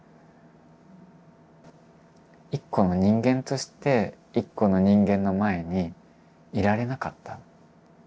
一個の人間として一個の人間の前にいられなかった。